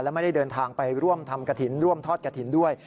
และไม่ได้เดินทางไปร่วมทำกระถิ่นร่วมทอดกระถิ่นด้วย